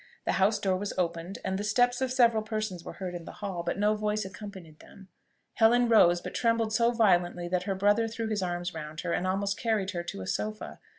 The house door was opened, and the steps of several persons were heard in the hall, but no voice accompanied them. Helen rose, but trembled so violently, that her brother threw his arms round her and almost carried her to a sofa.